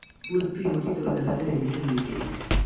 Fu il primo titolo della serie di Syndicate.